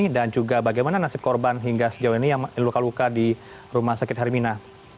dan juga bagaimana nasib korban hingga sejauh ini yang luka luka di rumah sakit hermina